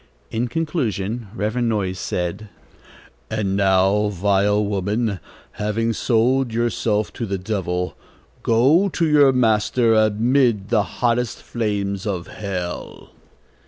In conclusion, Reverend Mr. Noyes said: "And now, vile woman, having sold yourself to the Devil, go to your master amid the hottest flames of hell!"